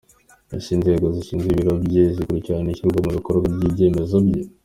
Ese inzego zishinzwe Ibiro bye zikurikirana ishyirwa mu bikorwa by’ibyemezo bye ?.